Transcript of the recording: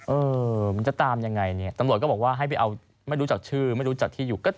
เออมันจะตามยังไงเนี่ยตำรวจก็บอกว่าให้ไปเอาไม่รู้จักชื่อไม่รู้จักที่อยู่